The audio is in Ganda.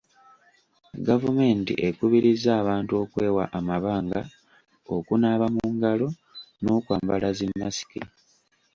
Gavumenti ekubirizza abantu okwewa amabanga, okunaaba mu ngalo n'okwambala zi masiki.